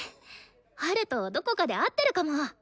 ハルとどこかで会ってるかも。